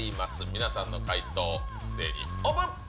皆さんの回答一斉にオープン！